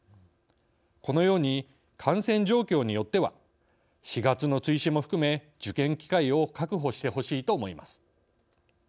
このように、感染状況によっては４月の追試も含め受験機会を確保してほしいと思います。